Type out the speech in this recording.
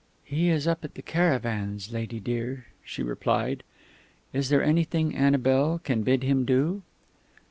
"He is up at the caravans, lady dear," she replied. "Is there anything Annabel can bid him do?"